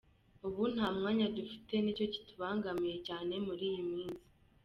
Ubu nta mwanya dufite ni cyo kitubangamiye cyane muri iyi minsi.